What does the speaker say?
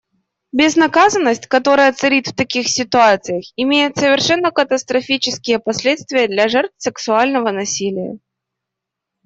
Безнаказанность, которая царит в таких ситуациях, имеет совершенно катастрофические последствия для жертв сексуального насилия.